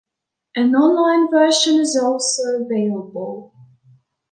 An on-line version is also available.